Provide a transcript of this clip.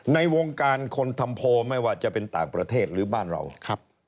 ในวงการคนทำโพลไม่ว่าจะเป็นต่างประเทศหรือบ้านเรา